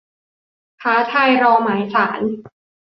ท้าทายรอหมายศาล